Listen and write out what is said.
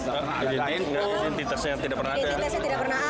jadi ini titasnya tidak pernah ada